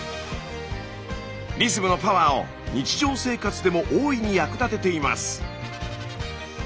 リズムのパワーを日常生活でも大いに役立てています。